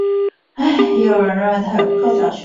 也有人认为他有客家血统。